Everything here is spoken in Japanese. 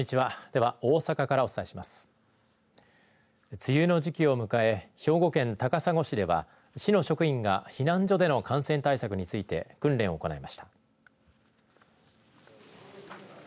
梅雨の時期を迎え兵庫県高砂市では市の職員が避難所での感染対策について訓練を行いました。